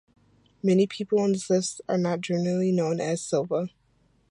Many people on this list are not generally known as Silva.